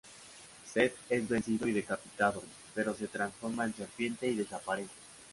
Set es vencido y decapitado, pero se transforma en serpiente y desaparece.